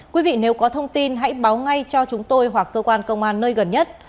quý vị nếu có thông tin hãy báo ngay cho chúng tôi hoặc cơ quan công an nơi gần nhất